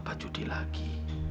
bapak judi lagi